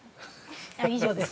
以上です。